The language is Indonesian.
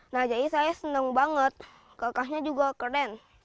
nah jadi saya senang banget kekahnya juga keren